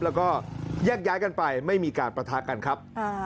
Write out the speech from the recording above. แล้วก็แยกย้ายกันไปไม่มีการประทะกันครับ